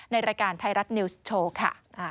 ในรายการไทยรัฐนิวส์โชว์ค่ะ